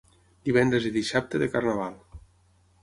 Divendres i dissabte de Carnaval.